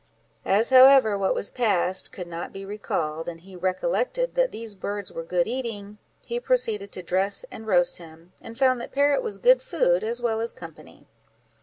As, however, what was passed could not be recalled, and he recollected that these birds were good eating, he proceeded to dress and roast him, and found that parrot was good food, as well as company.